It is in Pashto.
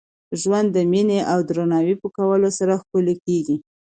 ژوند د میني او درناوي په کولو سره ښکلی کېږي.